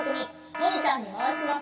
モニターにまわします。